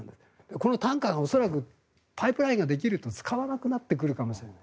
このタンカーが恐らくパイプラインができると使わなくなってしまうかもしれない。